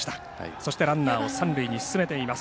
そして、ランナーを三塁に進めています。